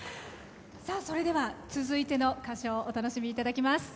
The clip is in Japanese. それでは続いての歌唱お楽しみいただきます。